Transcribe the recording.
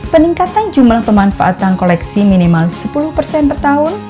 peningkatan jumlah pemanfaatan koleksi minimal sepuluh persen per tahun